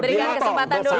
berikan kesempatan dulu